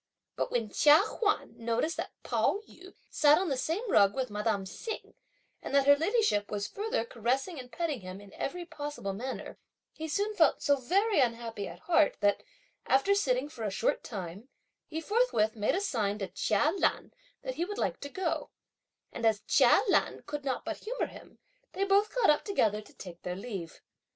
But when Chia Huan noticed that Pao yü sat on the same rug with madame Hsing, and that her ladyship was further caressing and petting him in every possible manner, he soon felt so very unhappy at heart, that, after sitting for a short time, he forthwith made a sign to Chia Lan that he would like to go; and as Chia Lan could not but humour him, they both got up together to take their leave.